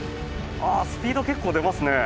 ああ、スピード結構出ますね。